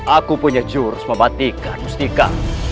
aku punya jurus mematikan mustika